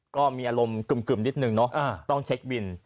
ก็มีอารมณ์กึ่มนิดนึงเนอะต้องเช็คบิน